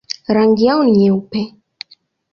Rangi yao ni nyeupe.